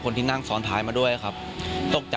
รถแสงทางหน้า